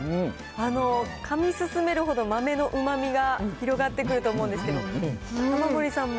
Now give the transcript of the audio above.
かみ進めるほど、豆のうまみが広がってくると思うんですけど。